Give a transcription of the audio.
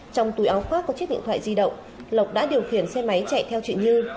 trong túi áo khoác có chiếc điện thoại di động lộc đã điều khiển xe máy chạy theo chị như